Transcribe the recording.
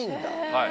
はい。